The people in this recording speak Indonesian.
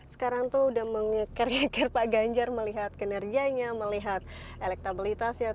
sekarang itu sudah mengekir ngekir pak kanjah melihat kinerjanya melihat elektabilitasnya